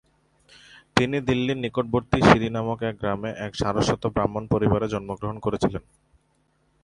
তিনি দিল্লির নিকটবর্তী সিরি নামক এক গ্রামে এক সারস্বত ব্রাহ্মণ পরিবারে জন্মগ্রহণ করেছিলেন।